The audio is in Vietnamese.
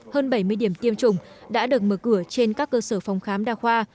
hơn bảy mươi điểm tiêm chủng đã được mở cửa trên các cơ sở phòng khám đa khoa